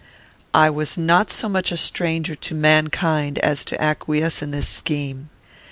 No. I was not so much a stranger to mankind as to acquiesce in this scheme.